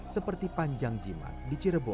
seperti panjang jimat di cirebon